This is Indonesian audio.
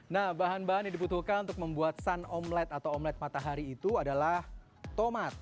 nah bahan bahan yang dibutuhkan untuk membuat sun omlet atau omelet matahari itu adalah tomat